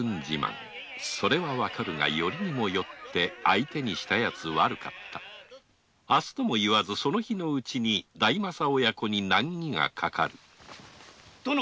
それはわかるが選りにも選って相手にしたヤツ悪かった明日ともいわずその日のうちに大政親子に難儀がかかる殿。